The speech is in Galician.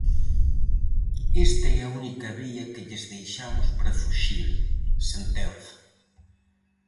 "Esta é a única vía que lles deixamos para fuxir", sentenza.